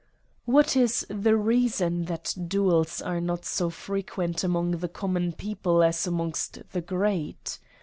What is the reason that duels are not so fre quent among the common people as amongst the great